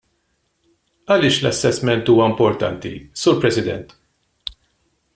Għaliex l-assessment huwa importanti, Sur President?